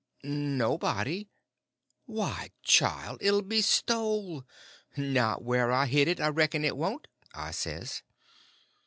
"Nobody." "Why, child, it 'll be stole!" "Not where I hid it I reckon it won't," I says.